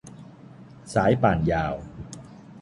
สายป่านยาว